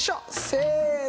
せの！